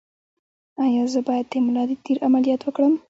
ایا زه باید د ملا د تیر عملیات وکړم؟